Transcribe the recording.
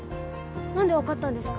なんでわかったんですか？